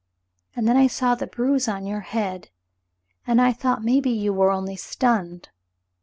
And then I saw the bruise on your head, and I thought maybe you were only stunned.